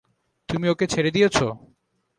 তুমি ওকে ছেড়ে দিয়েছ?